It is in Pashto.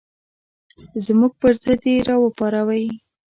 زموږ پر ضد یې راوپاروئ.